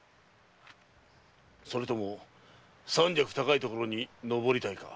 それとも三尺高いところに登りたいか？